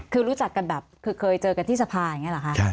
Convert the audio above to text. คือรู้จักกันแบบคือเคยเจอกันที่สภาอย่างนี้เหรอคะ